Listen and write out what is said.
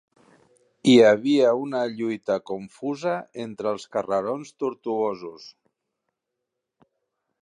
Hi havia una lluita confusa entre els carrerons tortuosos